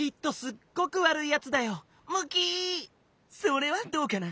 それはどうかな。